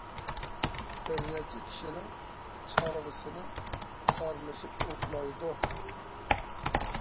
بىر نەچچە كىشىنىڭ چارۋىسى ئارىلىشىپ ئوتلايدۇ.